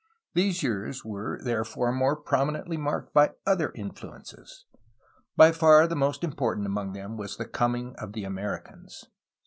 These years were therefore more prom inently marked by other influences. By far the mq^t im portant among them was the coming of the Americans.